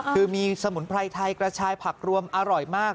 คือมีสมุนไพรไทยกระชายผักรวมอร่อยมาก